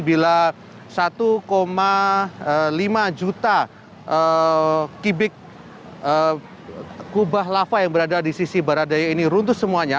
bila satu lima juta kubah lava yang berada di sisi barat daya ini runtuh semuanya